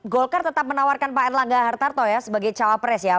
golkar tetap menawarkan pak erlangga hartarto ya sebagai cawapres ya